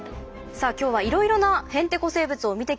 さあ今日はいろいろなへんてこ生物を見てきました。